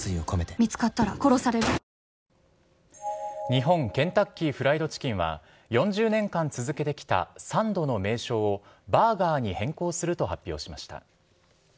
日本ケンタッキー・フライド・チキンは４０年間続けてきたサンドの名称を、バーガーに変更すると発表しました。